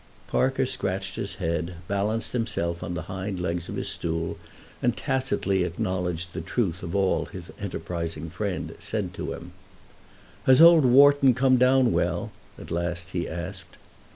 Parker scratched his head, balanced himself on the hind legs of his stool, and tacitly acknowledged the truth of all that his enterprising friend said to him. "Has old Wharton come down well?" at last he asked.